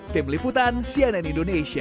tim liputan cnn indonesia